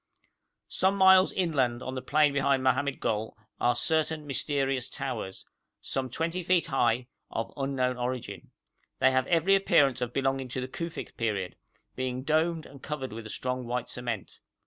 Some miles inland on the plain behind Mohammed Gol are certain mysterious towers, some 20 feet high, of unknown origin. They have every appearance of belonging to the Kufic period, being domed and covered with a strong white cement.